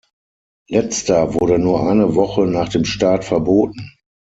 Letzter wurde nur eine Woche nach dem Start verboten.